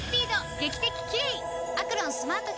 劇的キレイ！